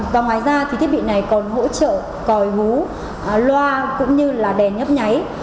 và ngoài ra thì thiết bị này còn hỗ trợ còi ngũ loa cũng như là đèn nhấp nháy